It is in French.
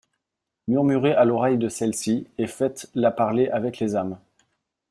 Murmurez à l’oreille de celle-ci, et faites-la parler avec les âmes.